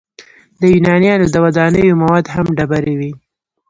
د یونانیانو د ودانیو مواد هم ډبرې وې.